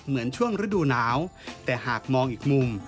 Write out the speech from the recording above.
เหมือนช่วงฤดูหนาวแต่หากมองอีกมุม